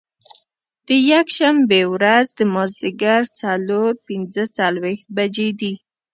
د یکشنبې ورځ د مازدیګر څلور پنځه څلوېښت بجې دي.